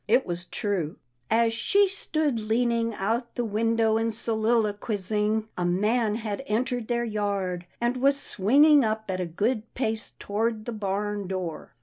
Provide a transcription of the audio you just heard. It was true. As she stood leaning out the win dow, and soliloquizing, a man had entered their yard, and was swinging up at a good pace toward the barn door.